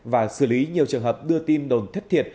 và xử lý nhiều trường hợp đưa tin đồn thất thiệt